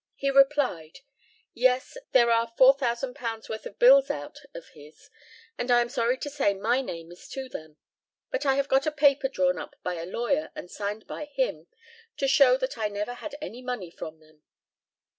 He replied, "Yes; there are £4,000 worth of bills out of his, and I am sorry to say my name is to them; but I have got a paper drawn up by a lawyer, and signed by him, to show that I never had any money from them."